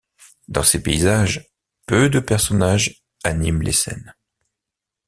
Dans ses paysages, peu de personnages animent les scènes.